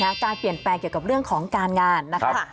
การเปลี่ยนแปลงเกี่ยวกับเรื่องของการงานนะคะ